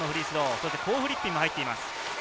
そしてコー・フリッピンも入っています。